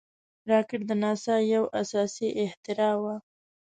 راکټ د ناسا یو اساسي اختراع وه